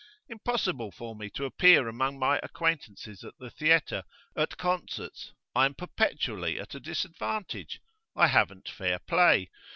Impossible for me to appear among my acquaintances at the theatre, at concerts. I am perpetually at a disadvantage; I haven't fair play.